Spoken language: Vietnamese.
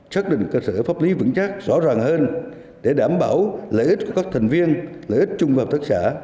xác định cơ sở pháp lý vững chắc rõ ràng hơn để đảm bảo lợi ích của các thành viên lợi ích chung và hợp tác xã